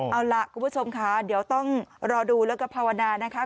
เอาล่ะคุณผู้ชมค่ะเดี๋ยวต้องรอดูแล้วก็ภาวนานะคะ